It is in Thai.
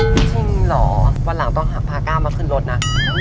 จริงเหรอวันหลังต้องพาก้าวมาขึ้นรถนะ